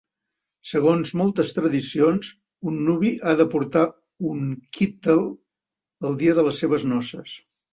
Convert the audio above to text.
Segons moltes tradicions, un nuvi ha de portar un "kittel" el dia de les seves noces.